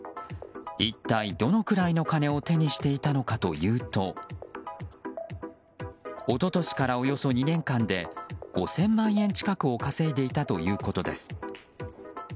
一体どのくらいの金を手にしていたのかというと一昨年から、およそ２年間で５０００万円近くを稼いでいたということです。